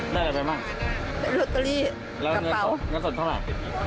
ได้อะไรไปบ้างได้โรตเตอรี่กระเป๋าแล้วเงินส่วนเท่าไหร่